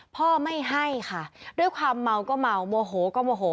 พ่อไม่ให้ค่ะด้วยความเมาก็เมาโมโหก็โมโห